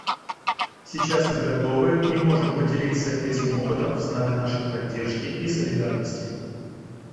Сейчас мы готовы и можем поделиться этим опытом в знак нашей поддержки и солидарности.